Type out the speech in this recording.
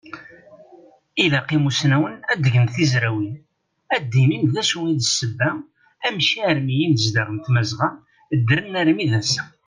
Ilaq imusnawen ad gen tizrawin, ad anin d acu i d ssebba amek armi inezdaɣ n Tmazɣa ddren armi d assa!